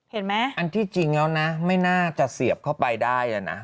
เห็นไหมอันที่จริงแล้วนะไม่น่าจะเสียบเข้าไปได้นะ